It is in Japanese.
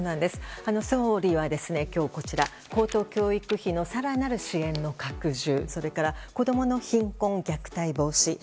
総理は、今日高等教育費の更なる支援の拡充それから子供の貧困、虐待防止。